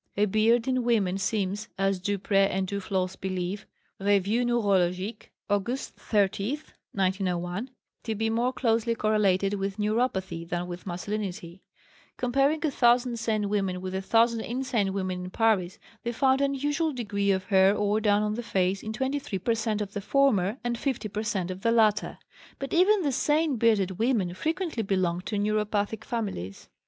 A beard in women seems, as Dupré and Duflos believe (Revue Neurologique, Aug. 30, 1901), to be more closely correlated with neuropathy than with masculinity; comparing a thousand sane women with a thousand insane women in Paris, they found unusual degree of hair or down on the face in 23 per cent. of the former and 50 per cent. of the latter; but even the sane bearded women frequently belonged to neuropathic families.